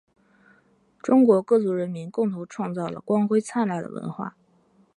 中国各族人民共同创造了光辉灿烂的文化